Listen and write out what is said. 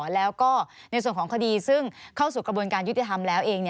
แล้วก็ในส่วนของคดีซึ่งเข้าสู่กระบวนการยุติธรรมแล้วเอง